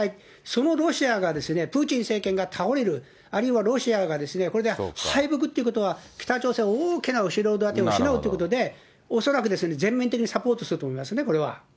そのロシアが、プーチン政権が倒れる、あるいはロシアが、これで敗北っていうことは、北朝鮮は大きな後ろ盾を失うということで、恐らく、全面的にサポートすると思いますね、これは。